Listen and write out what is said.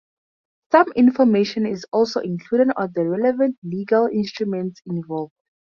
Some information is also included on the relevant legal instruments involved.